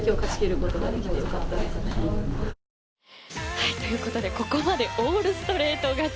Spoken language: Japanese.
はい、ということでここまでオールストレート勝ち。